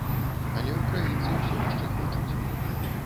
Але ўкраінцы ўсё яшчэ хочуць.